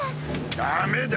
ダメだ。